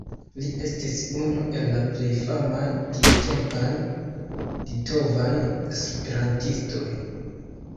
Li estis unu el la plej famaj tiutempaj litovaj esperantistoj.